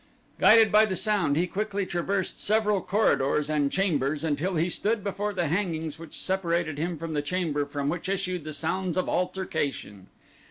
Guided by the sound he quickly traversed several corridors and chambers until he stood before the hangings which separated him from the chamber from which issued the sounds of altercation.